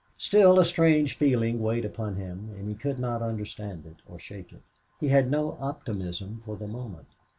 Still, a strange feeling weighed upon him and he could not understand it or shake it. He had no optimism for the moment.